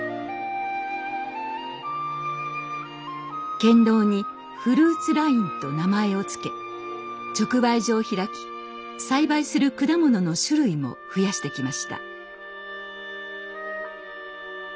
県道に「フルーツライン」と名前を付け直売所を開き栽培する果物の種類も増やしてきました。